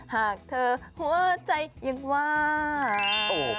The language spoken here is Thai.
หากเธอหัวใจยังว่าง